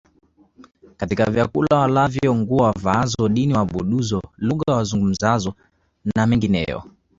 katika vyakula walavyo nguo wavaazo dini waabudizo lugha wazungumzazo na mengineyo